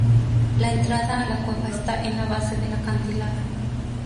La entrada a la cueva está en la base del acantilado.